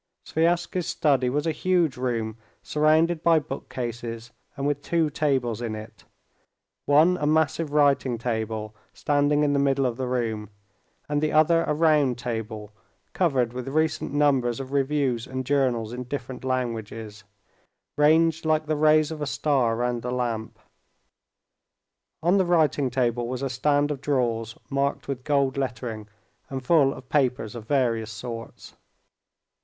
Sviazhsky's study was a huge room, surrounded by bookcases and with two tables in it—one a massive writing table, standing in the middle of the room, and the other a round table, covered with recent numbers of reviews and journals in different languages, ranged like the rays of a star round the lamp. On the writing table was a stand of drawers marked with gold lettering, and full of papers of various sorts.